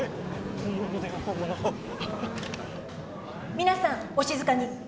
皆さんお静かに。